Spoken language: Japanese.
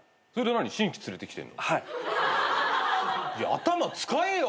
頭使えよ！